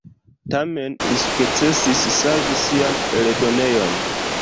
Tamen li sukcesis savi sian eldonejon.